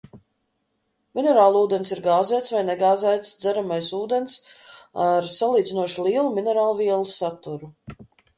Minerālūdens ir gāzēts vai negāzēts dzeramais ūdens ar salīdzinoši lielu minerālvielu saturu.